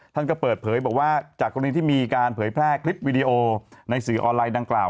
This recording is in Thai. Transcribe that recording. ท่านก็เปิดเผยบอกว่าจากกรณีที่มีการเผยแพร่คลิปวิดีโอในสื่อออนไลน์ดังกล่าว